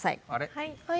はい。